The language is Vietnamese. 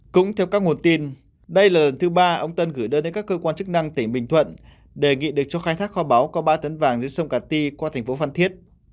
cũng theo các nguồn tin đây là lần thứ ba ông tân gửi đơn đến các cơ quan chức năng tỉnh bình thuận đề nghị được cho khai thác kho báo qua ba tấn vàng giữa sông cà ti qua thành phố phan thiết